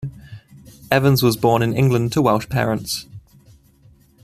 Evans was born in England to Welsh parents.